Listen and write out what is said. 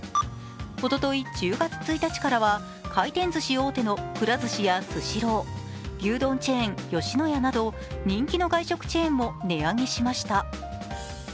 おととい１０月１日からは回転ずし大手のくら寿司やスシロー牛丼チェーン、吉野家など人気の外食チェーンも値上げしました。